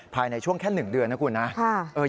ภายในช่วงแค่๑เดือนนะคุณนะ